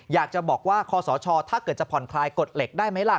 อยากจะบอกว่าคอสชถ้าเกิดจะผ่อนคลายกฎเหล็กได้ไหมล่ะ